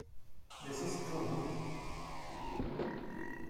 This is true.